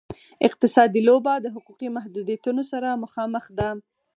اقتصادي لوبه د حقوقي محدودیتونو سره مخامخ ده.